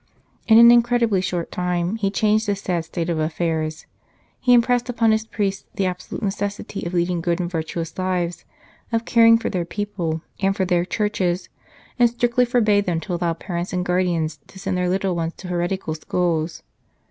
In an incredibly short time he changed this sad state of affairs. He impressed upon his priests the absolute necessity of leading good and virtuous lives, of caring for their people and for their churches, and strictly forbade them to allow parents and guardians to send their little ones to heretical schools.